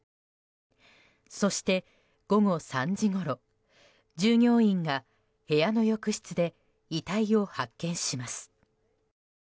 そして、午後３時ごろ従業員が部屋の浴室で遺体を発見します。